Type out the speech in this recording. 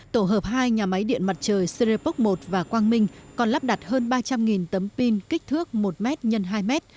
tổ hợp hai nhà máy điện mặt trời srepop một và quang minh còn lắp đặt hơn ba trăm linh tấm pin kích thước một m x hai m